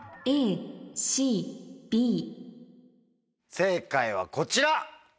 正解はこちら。